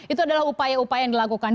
itu adalah upaya upaya yang dilakukan